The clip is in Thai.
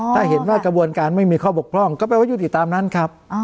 ถ้าเห็นว่ากระบวนการไม่มีข้อบกพร่องก็แปลว่ายุติตามนั้นครับ